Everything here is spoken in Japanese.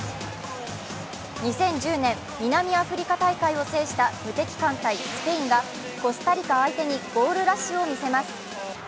２０１０年、南アフリカ大会を制した無敵艦隊・スペインがコスタリカ相手にゴールラッシュを見せます。